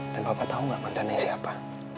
dan papa tahu gak mantannya siapa